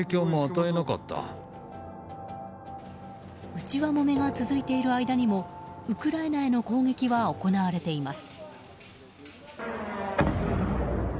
内輪もめが続いている間にもウクライナへの攻撃は行われています。